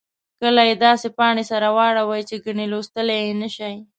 کله یې داسې پاڼې سره واړوئ چې ګنې لوستلای یې شئ.